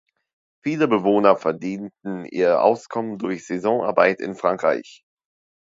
Viele Bewohner verdienten ihr Auskommen durch Saisonarbeit in Frankreich.